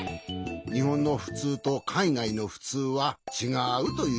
にほんのふつうとかいがいのふつうはちがうということじゃな。